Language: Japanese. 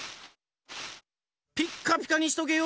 ピッカピカにしとけよ！